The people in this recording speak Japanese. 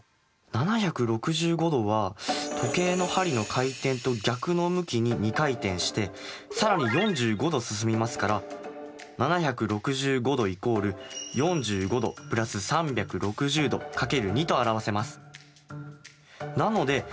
７６５°は時計の針の回転と逆の向きに２回転して更に４５°進みますから７６５°＝４５°＋３６０°×２と表せます。